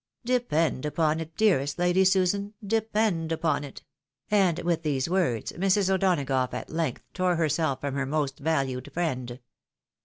"Depend upon it, dearest Lady Susan! depend upon it;" and with these words Mrs. O'Donagough at length tore herself from her most valued friend.